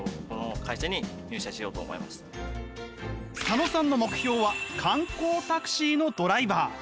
佐野さんの目標は観光タクシーのドライバー。